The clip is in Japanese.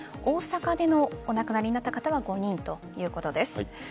大阪でのお亡くなりになった方は５人ということです。